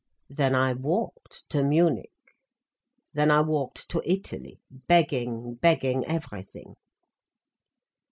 Then I walked to Munich—then I walked to Italy—begging, begging everything."